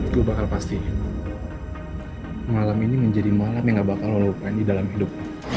lo bakal pasti malam ini menjadi malam yang ga bakal lo lupain di dalam hidup